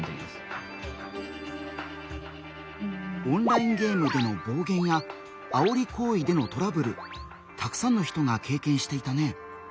オンラインゲームでの暴言やあおり行為でのトラブルたくさんの人が経験していたね。